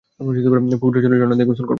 পবিত্র জলের ঝরনা দিয়ে গোসল করব!